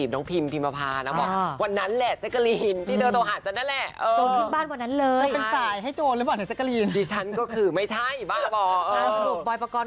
ดิชัน